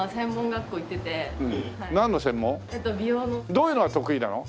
どういうのが得意なの？